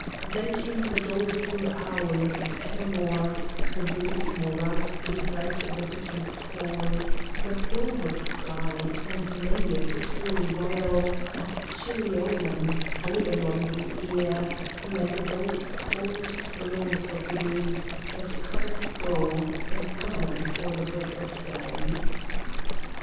Then came the doleful owl; and evermore The bleak morass gave out the bittern's call, The plover's cry, and many a fitful wail Of chilly omen, falling on the ear Like those cold flaws of wind that come and go An hour before the break of day.